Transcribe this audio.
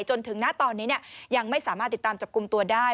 จนถึงณตอนนี้ยังไม่สามารถติดตามจับกลุ่มตัวได้